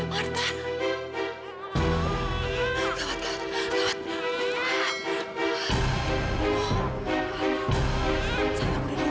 mer armah faut